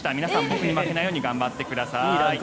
僕に負けないように頑張ってください。